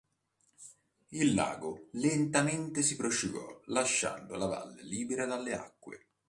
Il lago lentamente si prosciugò lasciando la valle libera dalle acque.